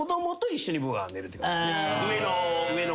上の。